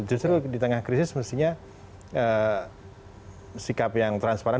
justru di tengah krisis mestinya sikap yang transparan